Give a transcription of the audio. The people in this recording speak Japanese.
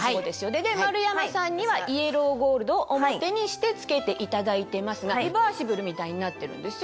それで丸山さんにはイエローゴールドを表にして着けていただいてますがリバーシブルみたいになってるんですよ。